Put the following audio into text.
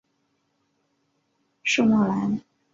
圣莫兰。